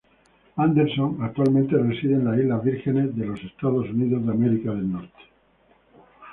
Anderson actualmente reside en las Islas Vírgenes de los Estados Unidos.